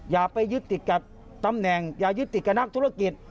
อย่าไปยึดติดกับตำแหน่งอย่ายึดติดกับนักธุรกิจ